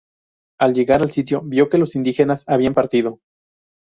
Al llegar al sitio vio que los indígenas habían partido.